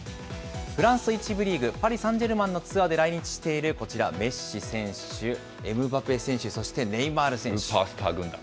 フランス１部リーグ・パリサンジェルマンのツアーで来日しているこちら、メッシ選手、エムバペ選スーパースター軍団。